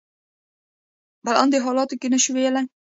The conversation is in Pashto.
په لاندې حالاتو کې نشو ویلای.